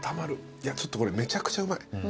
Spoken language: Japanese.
いやこれめちゃくちゃうまい。